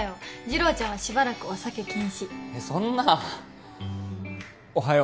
次郎ちゃんはしばらくお酒禁止えっそんなおはよ